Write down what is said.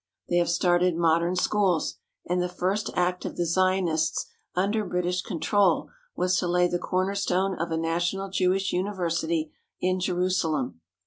They have started modern schools, and the first act of the Zionists under British control was to lay the cornerstone of a national Jewish university in Jerusalem.